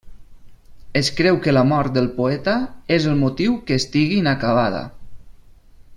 Es creu que la mort del poeta és el motiu que estigui inacabada.